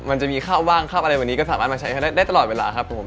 มันจะมีข้าวว่างข้าวอะไรแบบนี้ก็สามารถมาใช้ได้ตลอดเวลาครับผม